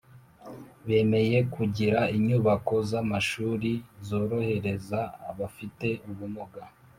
Bemeye kugira inyubako z’ amashuri zorohereza abafite ubumuga